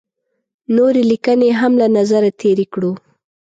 نورې لیکنې یې هم له نظره تېرې کړو.